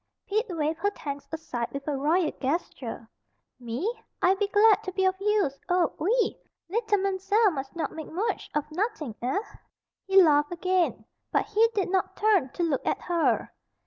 Pete waved her thanks aside with a royal gesture. "Me! I be glad to be of use, oh, oui! Leetle Man'zelle mus' not make mooch of nottin', eh?" He laughed again, but he did not turn to look at her.